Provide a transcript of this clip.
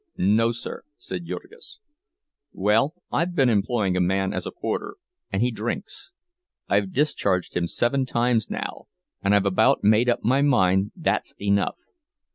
"No, sir," said Jurgis. "Well, I've been employing a man as a porter, and he drinks. I've discharged him seven times now, and I've about made up my mind that's enough.